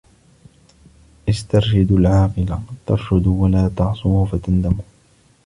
اسْتَرْشِدُوا الْعَاقِلَ تَرْشُدُوا وَلَا تَعْصُوهُ فَتَنْدَمُوا